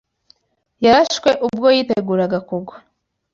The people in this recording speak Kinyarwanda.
Yarashwe ubwo yiteguraga kugwa